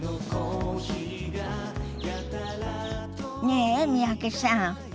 ねえ三宅さん。